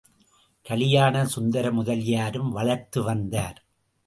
கலியாணசுந்தரமுதலியாரும் வளர்த்து வந்தார்.